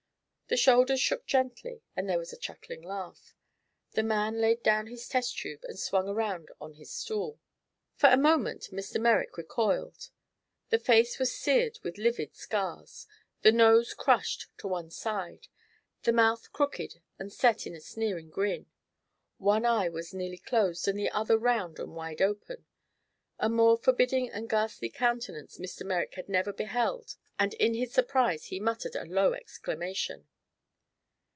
The shoulders shook gently and there was a chuckling laugh. The man laid down his test tube and swung around on his stool. For a moment Mr. Merrick recoiled. The face was seared with livid scars, the nose crushed to one side, the mouth crooked and set in a sneering grin. One eye was nearly closed and the other round and wide open. A more forbidding and ghastly countenance Mr. Merrick had never beheld and in his surprise he muttered a low exclamation.